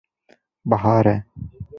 Bihar e.